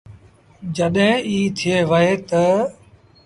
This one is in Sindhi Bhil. جڏهيݩٚ ايٚ ٿئي وهي تا